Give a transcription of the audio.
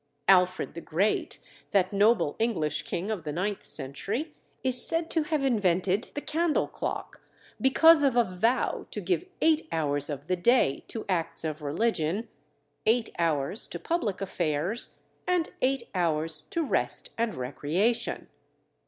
Alfred the Great, that noble English king of the ninth century, is said to have invented the candle clock, because of a vow to give eight hours of the day to acts of religion, eight hours to public affairs, and eight hours to rest and recreation.